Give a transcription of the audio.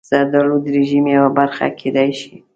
زردالو د رژیم یوه برخه کېدای شي.